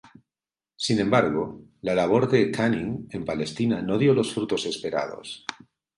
Sin embargo, la labor de Canning en Palestina no dio los frutos esperados.